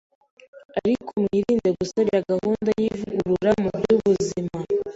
ariko mwirinde gusebya gahunda y’ivugurura mu by’ubuzima